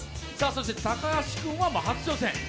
そして高橋君は初挑戦。